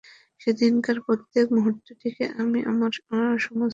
সেদিনকার প্রত্যেক মুহূর্তটিকে আমি আমার সমস্ত চৈতন্য দিয়া স্পর্শ করিয়াছি।